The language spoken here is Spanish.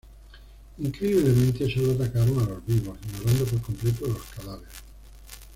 Increíblemente, solo atacaron a los vivos ignorando por completo los cadáveres.